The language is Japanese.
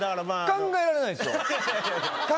考えられないですよ。